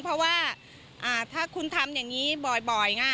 เพราะว่าถ้าคุณทำอย่างนี้บ่อย